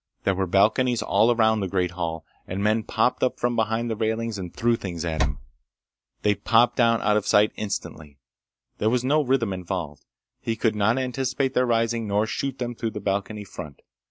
There were balconies all around the great hall, and men popped up from behind the railings and threw things at him. They popped down out of sight instantly. There was no rhythm involved. He could not anticipate their rising, nor shoot them through the balcony front.